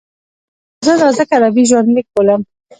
زه دا ځکه ادبي ژوندلیک بولم.